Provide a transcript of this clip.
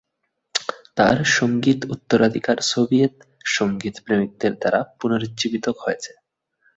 তার কিছু সঙ্গীত উত্তরাধিকার সোভিয়েত সঙ্গীত প্রেমিকদের দ্বারা পুনরুজ্জীবিত হয়েছে।